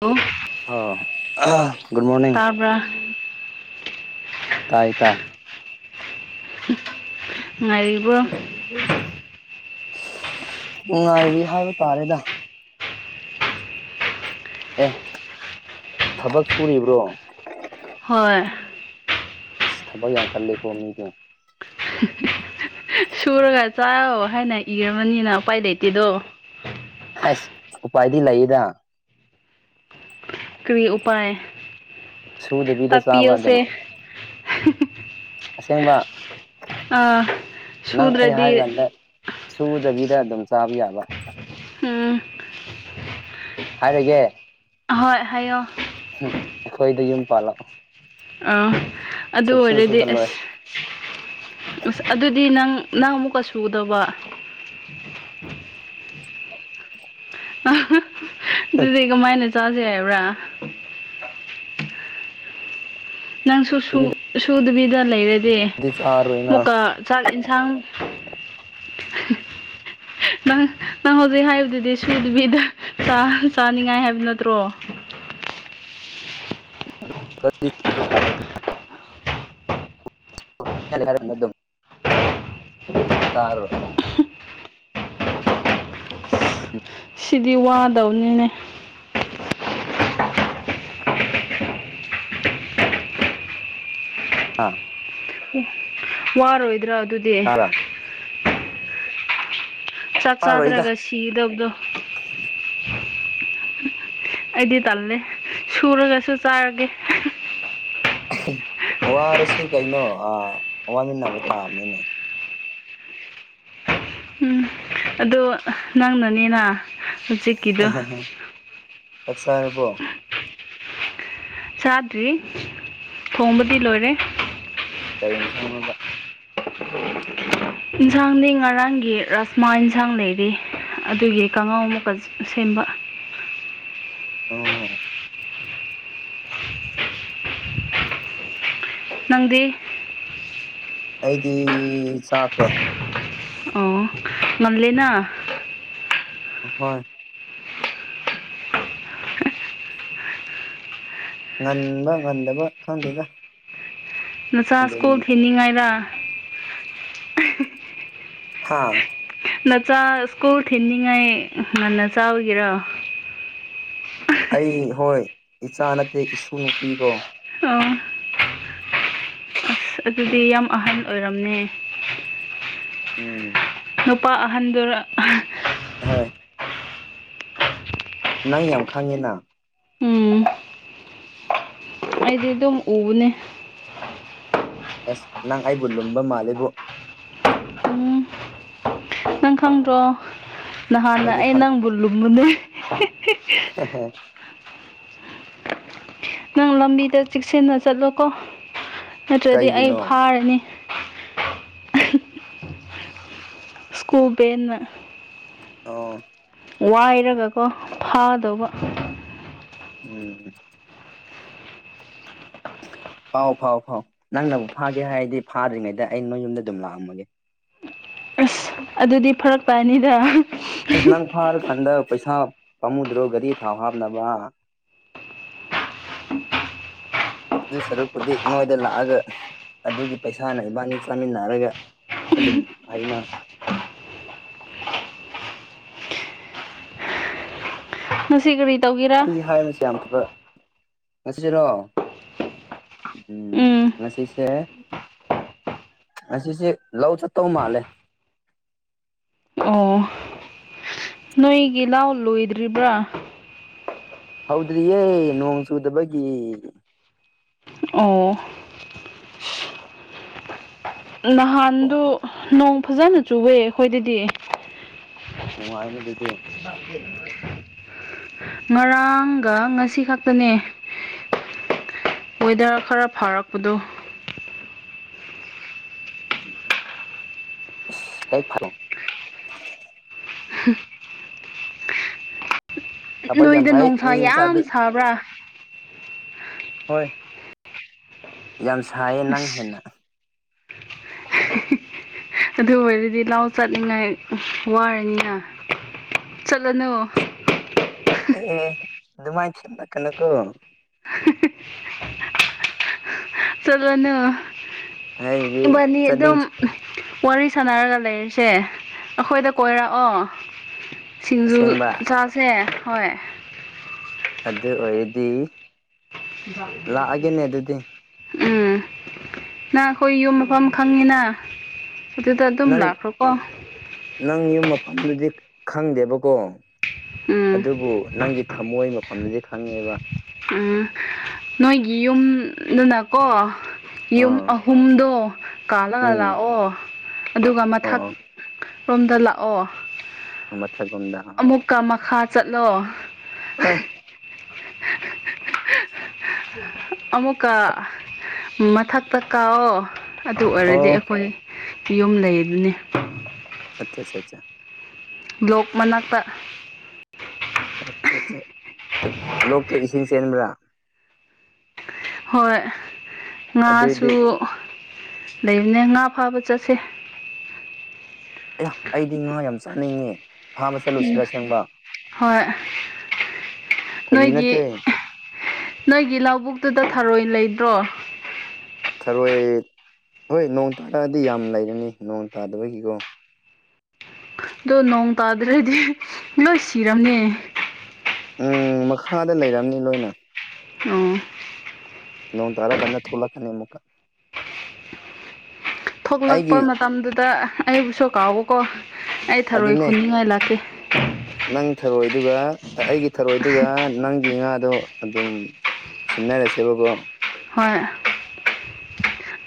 ꯑꯣ ꯑꯣ good morning ꯍꯥꯕ꯭ꯔ ꯇꯥꯏ ꯇꯥꯏ ꯉꯔꯤꯔꯤꯕ ꯅꯨꯡꯉꯥꯏꯔꯤ ꯍꯥꯏꯕ ꯇꯥꯔꯦꯗ ꯑꯦ ꯊꯕꯛ ꯁꯨꯔꯤꯕ꯭ꯔꯣ ꯍꯣꯏ ꯑ ꯊꯕꯛ ꯌꯥꯝ ꯀꯜꯂꯦꯀꯣ ꯃꯤꯒꯤ ꯁꯨꯔꯒ ꯆꯥ ꯍꯥꯏꯅ ꯏꯔꯕꯅꯤꯅ ꯎꯄꯥꯏ ꯂꯩꯇꯦꯗꯣ ꯍꯥꯏꯁ ꯎꯄꯥꯏꯗꯤ ꯂꯩꯌꯦꯗ ꯀꯔꯤ ꯎꯥꯏ ꯁꯨꯗꯕꯤꯗ ꯇꯥꯛꯄꯤꯤ ꯆꯥꯕ ꯑꯁ ꯑꯗꯨꯝ ꯑꯁꯦꯡꯕ ꯑꯥ ꯅꯪ ꯑꯩ ꯁꯨꯗ꯭ꯔꯗꯤ ꯍꯥꯏꯔꯀꯥꯟꯗ ꯁꯨꯗꯕꯤꯗ ꯑꯗꯨꯝ ꯆꯥꯕ ꯌꯥꯕ ꯎꯝ ꯍꯥꯏꯒꯦ ꯍꯣꯏ ꯍꯥꯏꯌꯣ ꯎꯝ ꯑꯩꯈꯣꯏꯗ ꯌꯨꯝ ꯄꯥꯜꯂꯛꯑꯣ ꯑꯥ ꯑꯗꯨ ꯁꯨꯞꯁꯨ ꯑꯣꯏꯔꯗꯤ ꯁꯨꯍꯜꯂꯣꯏ ꯑꯁ ꯑꯁ ꯑꯗꯨꯗꯤ ꯅꯪ ꯅꯪ ꯑꯃꯨꯛꯀ ꯁꯨꯒꯗꯕ ꯑꯗꯨꯗꯤ ꯀꯃꯥꯏꯅ ꯆꯥꯁꯤ ꯍꯥꯏꯕ꯭ꯔꯥ ꯅꯪꯁꯨ ꯁꯨꯗꯕꯤꯗ ꯂꯩꯔꯗꯤ ꯗꯤ ꯆꯥꯔꯣꯏꯅ ꯃꯨꯛꯀꯥ ꯆꯥꯛ ꯌꯦꯟꯁꯥꯡ ꯅꯪ ꯅꯪ ꯍꯧꯖꯤꯛ ꯍꯥꯏꯔꯤꯕꯗꯨꯗꯤ ꯁꯨꯗꯕꯤꯗ ꯆꯥꯅꯤꯡꯉꯥꯏ ꯍꯥꯏꯕ ꯅꯠꯇ꯭ꯔꯣ ꯔ ꯑꯗꯨ ꯁꯥꯔꯦ ꯁꯤꯗꯤ ꯋꯥꯗꯧꯅꯤꯅꯦ ꯑꯥ ꯎ ꯋꯥꯔꯣꯏꯗ꯭ꯔꯥ ꯑꯗꯨꯗꯤ ꯇꯥꯕ꯭ꯔꯥ ꯆꯥꯛ ꯆꯥꯔꯣꯏꯗ ꯆꯥꯗ꯭ꯔꯒ ꯁꯤꯗꯕꯗꯣ ꯑꯩꯗꯤ ꯇꯜꯂꯦ ꯁꯨꯔꯒꯁꯨ ꯆꯥꯔꯒꯦ ꯋꯥꯔꯁꯨ ꯀꯩꯅꯣ ꯋꯥꯃꯤꯟꯅꯕ ꯇꯥꯕꯅꯤꯅꯦ ꯎꯝ ꯑꯗꯣ ꯅꯪꯅꯅꯤꯅ ꯎ ꯍꯧꯖꯤꯛꯀꯤꯗꯣ ꯐꯁ ꯍꯥꯏꯅ ꯄꯣ ꯆꯥꯗ꯭ꯔꯤ ꯈꯣꯡꯕꯗꯤ ꯂꯣꯏꯔꯦ ꯀꯔꯦꯟ ꯁꯥꯡꯅꯕ ꯌꯦꯟꯁꯥꯡꯗꯤ ꯉꯔꯥꯡꯒꯤ ꯔꯥꯁꯃꯥ ꯌꯦꯟꯁꯥꯡ ꯂꯩꯔꯤ ꯑꯗꯨꯒꯤ ꯀꯥꯡꯉꯥꯎ ꯑꯃꯨꯛꯀ ꯁꯦꯝꯕ ꯑꯣ ꯅꯪꯗꯤ ꯑꯩꯗꯤ ꯆꯥꯈ꯭ꯔꯦ ꯑꯣ ꯉꯟꯂꯦꯅ ꯍꯣꯏ ꯉꯟꯕ ꯉꯟꯗꯕ ꯈꯪꯗꯦꯗ ꯅꯆꯥ ꯑꯗꯨꯝ ꯁ꯭ꯀꯣꯜ ꯊꯤꯅꯤꯡꯉꯥꯏꯔ ꯍꯥꯥ ꯅꯆꯥ ꯁ꯭ꯀꯨꯜ ꯊꯤꯟꯅꯤꯡꯉꯥꯏ ꯉ ꯅꯆꯥ ꯑꯣꯏꯒꯦꯔꯥ ꯑꯩ ꯍꯣꯏ ꯏꯆꯥ ꯅꯠꯇꯦ ꯏꯁꯨ ꯅꯨꯄꯤꯀꯣ ꯑꯥ ꯑꯁ ꯑꯗꯨꯗꯤ ꯌꯥꯝ ꯑꯍꯟ ꯑꯣꯏꯔꯝꯅꯦ ꯎꯝ ꯅꯨꯄꯥ ꯑꯍꯟꯗꯨꯔ ꯍꯣꯏ ꯅꯪ ꯌꯥꯝ ꯈꯪꯉꯦꯅ ꯎꯝ ꯑꯩꯗꯤ ꯑꯗꯨꯝ ꯎꯕꯅꯦ ꯑꯦꯁ ꯅꯪ ꯑꯩꯕꯨ ꯂꯨꯝꯕ ꯃꯥꯜꯂꯤꯕꯨ ꯎꯝ ꯅꯪ ꯈꯪꯗ꯭ꯔꯣ ꯅꯍꯥꯟꯅ ꯑꯩꯗꯤ ꯑꯩ ꯈꯪꯉꯦ ꯅꯪꯕꯨ ꯂꯨꯝꯃꯨꯅꯦ ꯑ ꯍꯣ ꯅꯪ ꯂꯝꯕꯤꯗ ꯆꯦꯛꯁꯤꯟꯅ ꯆꯠꯂꯣꯀꯣ ꯅꯠꯇ꯭ꯔꯗꯤ ꯑꯩ ꯀꯩꯒꯤꯅꯣ ꯐꯥꯔꯅꯤ ꯁꯀꯨꯕꯦꯅ ꯑꯣ ꯋꯥꯏꯔꯒꯀꯣ ꯐꯥꯗꯧꯕ ꯎꯝ ꯐꯥꯎ ꯐꯥꯎ ꯐꯥꯎ ꯅꯪꯅꯕꯨ ꯐꯥꯒꯦ ꯍꯥꯏꯔꯗꯤ ꯐꯥꯗ꯭ꯔꯤꯉꯩꯗ ꯑꯩ ꯅꯣꯏ ꯌꯨꯝꯗ ꯑꯗꯨꯝ ꯂꯥꯛꯑꯝꯃꯒꯦ ꯑꯁ ꯑꯗꯨꯗꯤ ꯐꯔꯛꯄꯅꯤꯗ ꯑꯁ ꯅꯪ ꯐꯥꯔ ꯀꯥꯟꯗ ꯄꯩꯁꯥ ꯄꯥꯝꯃꯨꯗ꯭ꯔꯣ ꯒꯥꯔꯤ ꯊꯥꯎ ꯍꯥꯞꯅꯕ ꯑꯗꯨ ꯁꯔꯨꯛꯄꯨꯗꯤ ꯅꯣꯏꯗ ꯂꯥꯛꯑꯒ ꯑꯗꯨꯒꯤ ꯄꯩꯁꯥꯅ ꯏꯕꯥꯅꯤ ꯆꯥꯃꯤꯟꯅꯔꯒ ꯑꯗꯨꯝ ꯑꯩꯅ ꯉꯁꯤ ꯀꯔꯤ ꯇꯧꯒꯦꯔꯥ ꯑꯩ ꯍꯥꯏꯕꯁꯦ ꯌꯥꯝ ꯐꯕ ꯉꯁꯤꯔꯣ ꯎꯝ ꯉꯁꯤꯁꯦ ꯉꯁꯤꯁꯦ ꯂꯧ ꯆꯠꯇꯧ ꯃꯥꯜꯂꯦ ꯑꯣ ꯅꯣꯏꯒꯤ ꯂꯧ ꯂꯣꯏꯗ꯭ꯔꯤꯕ꯭ꯔꯥ ꯍꯧꯗ꯭ꯔꯤꯌꯦ ꯅꯣꯡ ꯆꯨꯗꯕꯒꯤ ꯑꯣ ꯅꯍꯥꯟꯗꯣ ꯅꯣꯡ ꯐꯖꯅ ꯆꯨꯋꯦ ꯑꯩꯈꯣꯏꯗꯗꯤ ꯅꯨꯉꯥꯏꯅꯤ ꯑꯗꯨꯗꯤ [inaudible] ꯉꯔꯥꯡꯒ ꯉꯁꯤ ꯈꯛꯇꯅꯦ ꯋꯦꯗꯔ ꯈꯔ ꯐꯔꯛꯄꯗꯣ [unintelligible] ꯊꯕꯛ ꯌꯥꯝ ꯅꯣꯏꯗ ꯐꯩ ꯅꯨꯡꯁꯥ ꯃꯤ ꯌꯥꯝ ꯃꯆꯥꯗꯤ ꯁꯥꯕ꯭ꯔꯥ ꯍꯣꯏ ꯌꯥꯝ ꯁꯥꯏꯌꯦ ꯅꯪ ꯑꯁ ꯍꯦꯟꯅ ꯑꯗꯨ ꯑꯣꯏꯔꯗꯤ ꯂꯥꯎ ꯆꯠꯅꯤꯡꯉꯥꯏ ꯋꯥꯔꯅꯤꯅ ꯆꯠꯂꯅꯨ ꯑꯦ ꯑꯗꯨꯃꯥꯏ ꯊꯦꯝꯂꯛꯀꯥꯅꯨꯀꯣ [unintelligible] ꯆꯠꯂꯨꯅꯨ ꯍꯥꯏꯕꯗꯤ ꯏꯕꯥꯅꯤ ꯑꯗꯨꯝ ꯆꯠꯅꯤꯡ ꯋꯥꯔꯤ ꯁꯥꯟꯅꯔꯒ ꯂꯩꯔꯤꯁꯦ ꯑꯩꯈꯣꯏꯗ ꯀꯣꯏꯔꯛꯑꯣ ꯁꯤꯡꯖꯨ ꯑꯁꯦꯡꯕ ꯆꯥꯁꯦ ꯍꯣꯏ ꯑꯗꯨ ꯑꯣꯏꯔꯗꯤ ꯂꯥꯛꯑꯒꯦꯅꯦ ꯑꯗꯨꯗꯤ [inaudible] ꯎꯝ ꯅꯪ ꯑꯩꯈꯣꯏ ꯌꯨꯝ ꯃꯐꯝ ꯈꯪꯉꯤꯅ ꯑꯗꯨꯗ ꯑꯗꯨꯝ ꯅꯪ ꯂꯈ꯭ꯔꯣ ꯀꯣ ꯅꯪ ꯌꯨꯝ ꯃꯐꯝꯗꯨꯗꯤ ꯈꯪꯗꯦꯕꯀꯣ ꯎꯝ ꯑꯗꯨꯕꯨ ꯅꯪꯒꯤ ꯊꯝꯃꯣꯏ ꯃꯐꯝꯗꯨꯗꯤ ꯈꯪꯉꯦꯕ ꯎꯝ ꯅꯣꯏꯒꯤ ꯌꯨꯝꯗꯨꯅꯀꯣ ꯌꯨꯝ ꯑꯥ ꯑꯍꯨꯝꯗꯣ ꯀꯥꯂꯒ ꯎꯝ ꯂꯥꯛꯑꯣ ꯑꯗꯨꯒ ꯑꯣ ꯃꯊꯛ ꯔꯣꯝꯗ ꯂꯥꯛꯑꯣ ꯃꯊꯛꯔꯣꯝꯗ ꯑꯃꯨꯛꯀ ꯃꯈꯥ ꯆꯠꯂꯣ ꯑꯣꯏ ꯑꯃꯨꯛꯀꯥ ꯃꯊꯛꯇꯥ ꯀꯥꯎꯑꯣ ꯑꯗꯨ ꯑꯣꯏꯔꯗꯤ ꯑꯣ ꯑꯩꯈꯣꯏ ꯌꯨꯝ ꯂꯩ ꯑꯗꯨꯅꯤ ꯑꯆꯥꯆꯥꯆꯥ ꯕ꯭ꯂꯣꯛ ꯃꯅꯥꯛꯇ ꯑꯠꯆꯥ ꯑꯠꯆꯥ ꯂꯣꯛꯇꯣ ꯏꯁꯤꯡ ꯆꯦꯟꯕ꯭ꯔꯥ ꯍꯣꯏ ꯉꯥꯁꯨ ꯑꯗꯨꯏꯗꯤ ꯂꯩꯕꯅꯦ ꯉꯥ ꯐꯥꯕ ꯆꯠꯁꯦ ꯑꯦ ꯑꯩꯗꯤ ꯉꯍꯥ ꯌꯥꯝ ꯆꯥꯅꯤꯡꯉꯤ ꯎꯝ ꯍꯣꯏ ꯐꯥꯒꯤ ꯅꯣꯏꯒꯤ ꯅꯠꯇꯦ ꯅꯣꯏꯒꯤ ꯂꯧꯕꯨꯛꯇꯨꯗ ꯊꯔꯣꯏ ꯂꯩꯗ꯭ꯔꯣ ꯊꯔꯣꯏ ꯍꯣꯏ ꯅꯣꯡ ꯇꯥꯔꯛꯑꯗꯤ ꯌꯥꯝ ꯂꯩꯔꯅꯤ ꯅꯣꯡ ꯇꯥꯗꯕꯒꯤꯀꯣ ꯑꯣ ꯅꯣꯡ ꯇꯥꯗ꯭ꯔꯗꯤ ꯂꯣꯏ ꯁꯤꯔꯕꯅꯦ ꯎꯝ ꯃꯈꯥꯗ ꯂꯩꯔꯝꯅꯤ ꯂꯣꯏꯅ ꯑꯣ ꯅꯣꯡ ꯇꯔꯥ ꯀꯥꯟꯗ ꯊꯣꯛꯂꯛꯀꯅꯤ ꯑꯃꯨꯛꯀꯥ ꯊꯣꯛꯂꯛꯄ ꯑꯩꯒꯤ ꯃꯇꯝꯗꯨꯗ ꯑꯩꯕꯨꯁꯨ ꯀꯥꯎꯕꯀꯣ ꯑꯩ ꯊꯔꯣꯏ ꯑꯗꯨꯅꯦ ꯈꯨꯝꯅꯤꯡꯉꯥꯏ ꯂꯥꯛꯀꯦ ꯅꯪ ꯊꯔꯣꯏꯗꯨꯒ ꯑꯩꯒꯤ ꯊꯔꯣꯏꯗꯨꯒ ꯅꯪꯒꯤ ꯉꯥꯗꯣ ꯑꯗꯨꯝ ꯁꯤꯟꯅꯔꯥꯁꯦꯕꯒꯣ ꯍꯣꯏ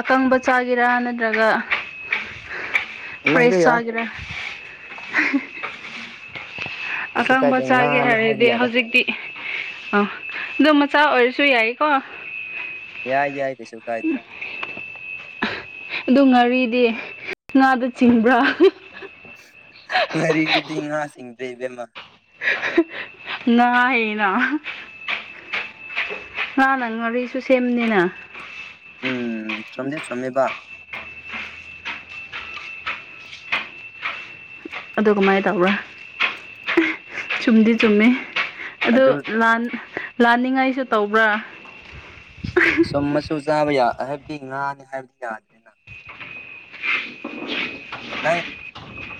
ꯑꯀꯪꯕ ꯆꯥꯒꯦꯔꯥ ꯅꯠꯇ꯭ꯔꯒ ꯑꯃ ꯍꯦꯛꯇ ꯐ꯭ꯔꯦꯁ ꯌꯥꯏ ꯆꯥꯒꯦꯔꯥ ꯀꯩꯁꯨ ꯑꯀꯪꯕ ꯀꯥꯏꯗꯦ ꯆꯥꯒꯦ ꯉꯥꯅꯤ ꯍꯥꯏꯕ ꯍꯥꯏꯔꯗꯤ ꯌꯥꯔꯦ ꯍꯧꯖꯤꯛꯇꯤ ꯑ ꯑꯗꯨꯗꯣ ꯃꯆꯥ ꯑꯣꯏꯔꯁꯨ ꯌꯥꯏꯀꯣ ꯌꯥꯏ ꯌꯥꯏ ꯀꯩꯁꯨ ꯀꯥꯏꯗꯦ ꯑꯗꯨ ꯉꯥꯔꯤꯗꯤ ꯉꯥꯗ ꯆꯤꯡꯕ꯭ꯔꯥ ꯉꯥꯔꯤꯗꯗꯤ ꯉꯥꯁꯤꯡꯗ꯭ꯔꯦ ꯏꯕꯦꯝꯃ ꯍꯅ ꯃꯥꯥꯟ ꯅꯪ ꯉꯥꯔꯤꯁꯨ ꯁꯦꯝꯅꯤꯅ ꯎꯝ ꯆꯣꯝꯗꯤ ꯆꯣꯝꯃꯦꯕ ꯑꯗꯨ ꯀꯃꯥꯏꯅ ꯇꯧꯕ꯭ꯔꯥ ꯁꯨꯝꯗꯤ ꯆꯨꯝꯃꯤ ꯑꯗꯨ ꯑꯗꯨꯥꯟ ꯂꯥꯟꯅꯤꯡꯉꯥꯏꯁꯨ ꯇꯧꯕ꯭ꯔꯥ ꯁꯨꯝ ꯃꯁꯨ ꯆꯥꯕ ꯌꯥ ꯍꯥꯏꯕꯗꯤ ꯉꯥꯅꯤ ꯍꯥꯏꯕꯗꯤ ꯌꯥꯅꯤ ꯅꯪ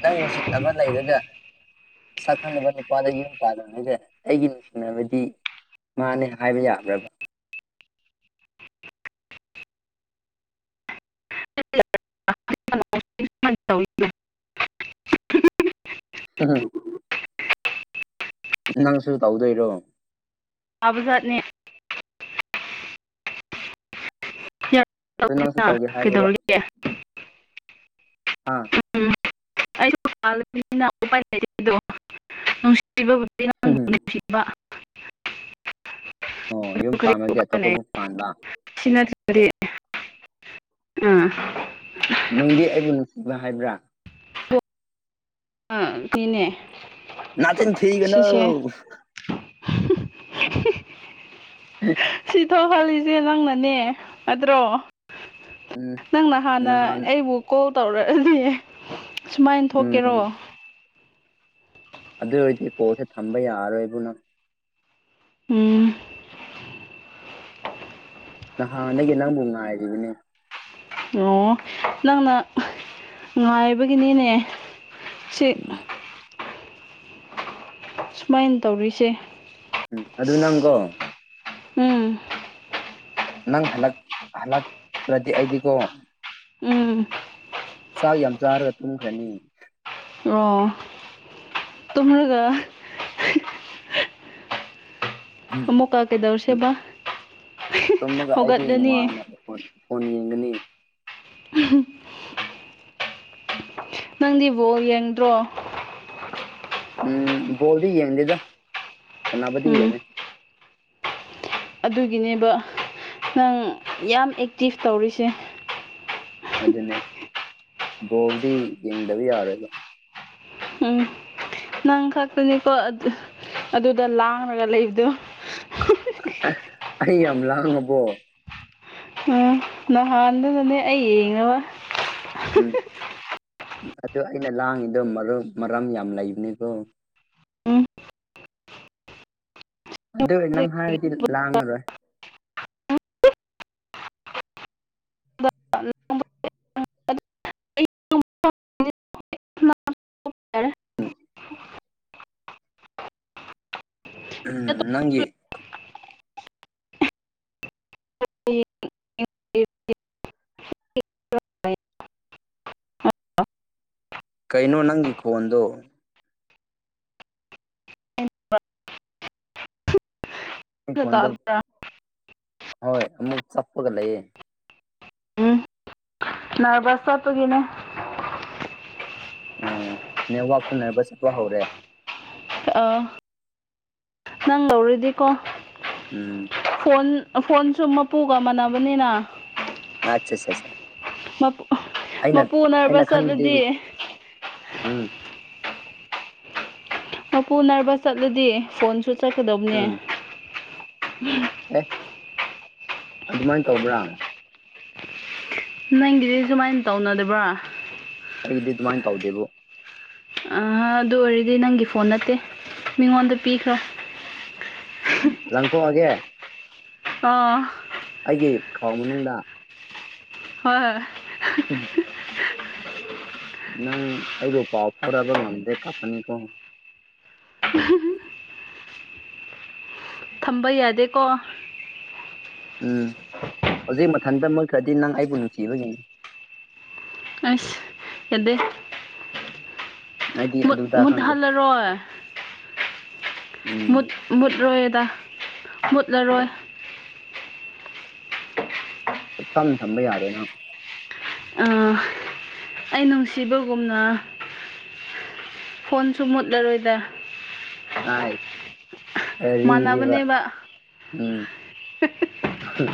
ꯅꯪ ꯅꯨꯡꯁꯤꯅꯕ ꯂꯩꯔꯒ ꯁꯛ ꯈꯪꯅꯕ ꯅꯨꯄꯥꯗ ꯌꯨꯝ ꯄꯥꯗꯅꯤꯗ ꯑꯩꯒꯤ ꯅꯨꯡꯁꯤꯅꯕꯗꯤ ꯃꯥꯅꯦ ꯍꯥꯏꯕ ꯌꯥꯕ꯭ꯔꯕ [inaudible] ꯎꯝ ꯅꯪꯁꯨ ꯇꯧꯗꯣꯏꯔꯣ ꯌꯥꯕꯖꯥꯠꯅꯦ ꯑꯗꯨ ꯅꯪꯁꯨ ꯅ ꯇꯧꯒꯦ ꯍꯥꯏꯕ꯭ꯔꯕ ꯀꯩꯗꯧꯔꯤꯒꯦ ꯍꯥ ꯎꯝ ꯑꯩꯁꯨꯅꯤ ꯃꯄꯥꯟ ꯂꯝꯅꯤꯅ ꯂꯩꯇꯦꯗꯨ ꯅꯨꯡꯁꯤꯕꯕꯨꯗꯤ ꯅꯪꯕꯨ ꯅꯨꯡꯁꯤꯕ ꯑꯣ ꯑꯗꯨ ꯌꯨꯝ ꯀꯔꯤ ꯄꯥꯝꯕꯗꯤ ꯎꯄꯥꯏ ꯂꯩ ꯑꯇꯣꯞꯄꯕꯨ ꯄꯥꯟꯕ꯫ ꯁꯤ ꯅꯠꯇꯔꯗꯤ ꯑꯥ ꯅꯨꯡꯗꯤ ꯑꯩꯕꯨ ꯅꯨꯡꯁꯤꯕ ꯍꯥꯏꯕ꯭ꯔꯥ꯫ ꯑꯥ ꯁꯤꯅꯦ ꯅꯥꯆꯤꯟ ꯊꯤꯒꯅꯣ ꯍ ꯍ ꯍꯨꯝ ꯍꯨꯝ ꯍꯤ ꯍꯤ ꯁꯤ ꯊꯣꯍꯜꯂꯤꯁꯦ ꯅꯪꯅꯅꯦ ꯑꯗ꯭ꯔꯣ ꯎꯝ ꯅꯪꯅ ꯍꯥꯟꯅ ꯅꯍꯥꯟ ꯑꯩꯕꯨ ꯀꯣꯜ ꯇꯧꯔꯛꯑꯗꯤ ꯁꯨꯃꯥꯏ ꯎꯝ ꯊꯣꯛꯀꯦꯔꯣ ꯑꯗꯨ ꯑꯣꯏꯔꯗꯤ ꯀꯣꯜꯁꯦ ꯊꯝꯕ ꯌꯥꯔꯣꯏꯕꯣ ꯅꯪ ꯎꯝ ꯅꯍꯥꯟꯅꯗꯒꯤ ꯅꯪꯕꯨ ꯉꯥꯏꯔꯤꯕꯅꯦ꯫ ꯑꯣ ꯅꯪꯅ ꯉꯥꯏꯕꯒꯤꯅꯤꯅꯦ ꯁꯤ [inaudible] ꯁꯨꯃꯥꯏꯅ ꯇꯧꯔꯤꯁꯦ꯫ ꯎꯝ ꯑꯗꯨ ꯅꯪꯀꯣ ꯎꯝ ꯅꯪ ꯍꯂꯛ ꯍꯂꯛ ꯇꯔꯗꯤ ꯑꯩꯗꯤꯒꯣ ꯎꯝ ꯆꯥ ꯌꯥꯝ ꯆꯥꯔꯒ ꯇꯨꯝꯈ꯭ꯔꯅꯤ꯫ ꯑꯣ ꯇꯨꯝꯔꯒ ꯎꯝ ꯑꯃꯨꯛꯀ ꯎꯝ ꯀꯩꯗꯧꯁꯦꯕ ꯇꯨꯝꯃꯒ ꯑꯩꯗꯤ ꯍꯧꯒꯠꯂꯅꯤ ꯅꯨꯡꯉꯥꯏꯅꯕ ꯄꯣꯠ ꯐꯣꯟ ꯌꯦꯡꯒꯅꯤ꯫ ꯎꯝ ꯍꯨꯝ ꯅꯪꯗꯤ ꯕꯣꯜ ꯌꯦꯡꯗ꯭ꯔꯣ꯫ ꯎꯝ ꯕꯣꯜꯗꯤ ꯌꯦꯡꯗꯦꯗ ꯁꯅꯥꯕꯗꯤ ꯎꯝ ꯌꯦꯡꯉꯦ꯫ ꯑꯗꯨꯒꯤꯅꯦꯕ ꯅꯪ ꯌꯥꯝ ꯑꯦꯛꯇꯤꯞ ꯇꯧꯔꯤꯁꯦ꯫ ꯑꯗꯨꯅꯦ ꯕꯣꯜꯗꯤ ꯌꯦꯡꯗꯕ ꯌꯥꯔꯣꯏꯕ꯫ ꯎꯝ ꯅꯪ ꯈꯛꯇꯅꯤꯀꯣ ꯑꯗꯨ ꯑꯗꯨꯗ ꯂꯥꯡꯔꯒ ꯂꯩꯕꯗꯣ꯫ ꯑꯩ ꯌꯥꯝ ꯂꯥꯡꯉꯕꯣ꯫ ꯎꯝ ꯅꯍꯥꯟꯗꯨꯅꯅꯦ ꯑꯩ ꯌꯦꯡꯉꯔꯣꯏ꯫ ꯎꯝ ꯎ ꯑꯗꯨ ꯑꯩꯅ ꯂꯥꯡꯉꯤꯗꯣ ꯃꯔꯝ ꯃꯔꯝ ꯌꯥꯝ ꯂꯩꯕꯅꯤꯀꯣ꯫ ꯎꯝ ꯑꯗꯨꯏ ꯅꯪ ꯍꯥꯏꯔꯗꯤ ꯂꯥꯡꯉꯔꯣꯏ [unintelligible] ꯎꯝ ꯅꯪꯒꯤ [unintelligible] ꯀꯩꯅꯣ ꯅꯪꯒꯤ ꯈꯣꯟꯗꯣ ꯅꯪꯒꯤ ꯈꯣꯟꯗꯣ ꯍꯣꯏ ꯑꯃꯨꯛ ꯆꯞꯄꯒ ꯂꯩꯌꯦ꯫ ꯎꯝ ꯅꯔꯚꯁ ꯆꯠꯄꯒꯤꯅꯦ꯫ ꯎꯝ ꯅꯦꯋꯥꯔꯛꯁꯨ ꯅꯔꯕꯁ ꯆꯠꯄ ꯍꯧꯔꯦ꯫ ꯑ ꯅꯪ ꯂꯧꯔꯗꯤꯀꯣ꯫ ꯎꯝ ꯐꯣꯟ ꯐꯣꯟꯁꯨ ꯃꯄꯨꯒ ꯃꯥꯟꯅꯕꯅꯤꯅ ꯑꯆꯥꯆꯥꯆꯥ ꯃꯄꯨ ꯃꯄꯨ ꯑꯩꯅ ꯅ꯭ꯔꯚ꯭ꯁ ꯆꯠꯂꯗꯤ ꯈꯟꯕꯗꯤ ꯎꯝ ꯃꯄꯨ ꯅꯔꯕꯁ ꯆꯠꯂꯗꯤ ꯐꯣꯟꯁꯨ ꯆꯠꯀꯗꯕꯅꯦ ꯎꯝ ꯑꯦ ꯑꯗꯨꯃꯥꯏꯅ ꯇꯧꯕ꯭ꯔꯥ ꯅꯪꯒꯤꯗꯤ ꯁꯨꯃꯥꯏꯅ ꯇꯧꯅꯗꯕ꯭ꯔꯥ ꯑꯩꯗꯤ ꯑꯗꯨꯃꯥꯏꯅ ꯇꯧꯗꯦꯕꯨ ꯑꯗꯨ ꯑꯣꯏꯔꯗꯤ ꯅꯪꯒꯤ ꯐꯣꯟ ꯅꯠꯇꯦ ꯃꯤꯉꯣꯟꯗ ꯄꯤꯈ꯭ꯔꯣ ꯂꯪꯊ‌ꯣꯛꯑꯒꯦ ꯑ‌ꯣ ꯑꯩꯒꯤ ꯈꯥꯎ ꯃꯅꯨꯡꯗ ꯍꯣꯏ ꯎꯝ ꯅꯪ ꯑꯩꯕꯨ ꯄꯥꯎ ꯐꯥꯎꯅꯕ ꯉꯝꯗꯦ ꯀꯞꯀꯅꯤꯀꯣ ꯊꯝꯕ ꯌꯥꯗꯦꯀꯣ ꯎꯝ ꯍꯧꯖꯤꯛ ꯃꯊꯟꯇ ꯃꯨꯠꯈ꯭ꯔꯗꯤ ꯅꯪ ꯑꯩꯕꯨ ꯅꯨꯡꯁꯤꯕꯒꯤꯅꯤ ꯑꯁ ꯌꯥꯗ‌ꯦ ꯑꯩꯗꯤ ꯃꯨꯠ ꯑꯗꯨꯗ ꯈꯪꯗꯦ ꯃꯨꯠꯍꯜꯂꯔꯣꯏ ꯎꯝ ꯃꯨꯠ ꯃꯨꯠꯂꯣꯏꯗ ꯃꯨꯠꯂꯔꯣꯏ ꯁꯨꯛꯊꯝ ꯊꯝꯕ ꯌꯥꯔꯣꯏ ꯅꯪ ꯑꯥ ꯑꯩ ꯅꯨꯡꯁꯤꯕꯒꯨꯝꯅ ꯐꯣꯟꯁꯨ ꯃꯨꯠꯂꯔꯣꯏꯗ ꯑꯥꯏ ꯋꯥꯔꯤꯗꯤꯕ ꯃꯥꯟꯅꯕꯅꯦꯕ ꯎꯝ ꯍꯨ